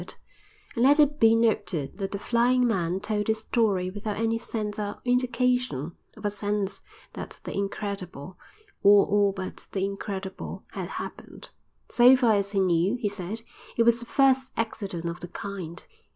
And let it be noted that the flying man told his story without any sense or indication of a sense that the incredible, or all but the incredible, had happened. So far as he knew, he said, it was the first accident of the kind.